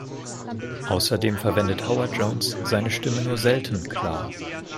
Außerdem verwendet Howard Jones seine Stimme nur selten klar.